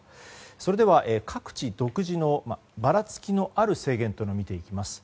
それでは各地独自のばらつきのある制限を見ていきます。